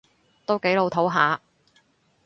都幾老套吓